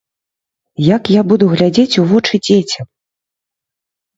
Як я буду глядзець у вочы дзецям?